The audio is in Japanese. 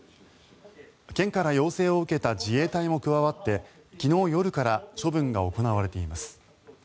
県から要請を受けた自衛隊も加わって昨日夜から処分が行われています。